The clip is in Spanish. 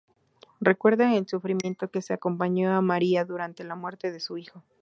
Recuerda el sufrimiento que acompañó a María durante la muerte de su hijo.